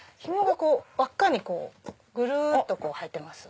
輪っかにぐるっと入ってます。